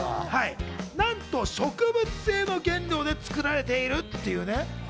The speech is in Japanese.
なんと植物性の原料で作られているっていうね。